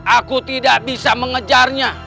aku tidak bisa mengejarnya